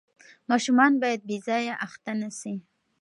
ماشوم باید بې ځایه اخته نه سي.